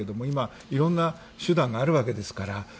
今、いろいろな手段があるわけですから。